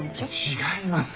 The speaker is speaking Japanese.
違います。